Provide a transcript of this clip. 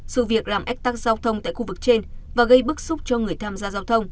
sự việc làm ách tắc giao thông tại khu vực trên và gây bức xúc cho người tham gia giao thông